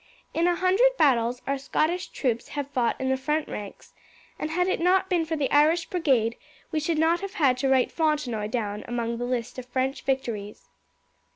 In a hundred battles our Scottish troops have fought in the front ranks, and had it not been for the Irish Brigade we should not have had to write Fontenoy down among the list of French victories."